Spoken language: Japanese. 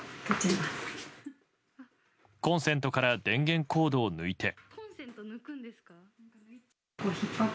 コンセントから電源コードを抜いて。